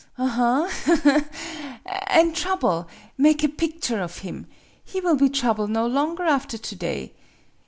Aha, ha, ha! An' Trouble make a picture of him! He will be Trouble no longer after to day.